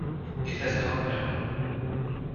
It has gone now.